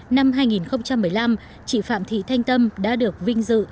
năm hai nghìn một mươi năm chị phạm thị thanh tâm đã được vinh dự